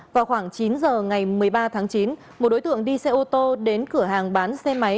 vào khoảng chín giờ ngày một mươi ba tháng chín một đối tượng đi xe ô tô đến cửa hàng bán xe máy